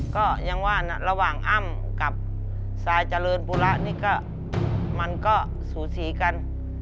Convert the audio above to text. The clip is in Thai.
ก็ยังว่าระหว่างอ้ำกับซายเจริญปุระนี่ก็มันก็สูสีกัน